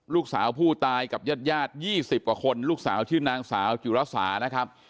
ลูกสาวผู้ตายกับญาติ๒๐กว่าคนลูกสาวชื่อนางสาวจุรสานะครับ